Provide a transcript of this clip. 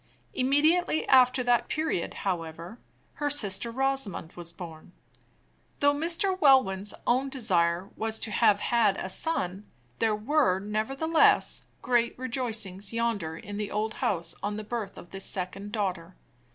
Immediately after that period, however, her sister Rosamond was born. Though Mr. Welwyn's own desire was to have had a son, there were, nevertheless, great rejoicings yonder in the old house on the birth of this second daughter.